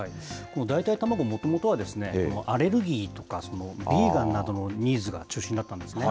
代替卵、もともとはアレルギーとか、ビーガンなどのニーズが中心だったんですね。